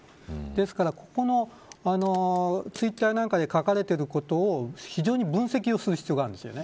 ですからこのツイッターなんかで書かれていることを非常に分析をする必要があります。